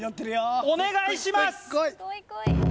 お願いします